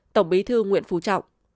một tổng bí thư nguyễn phú trọng